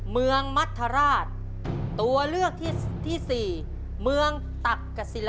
เมืองมัธราช